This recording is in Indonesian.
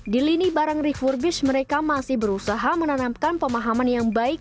di lini barang refurbish mereka masih berusaha menanamkan pemahaman yang baik